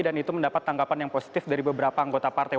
dan itu mendapat tanggapan yang positif dari beberapa anggota partai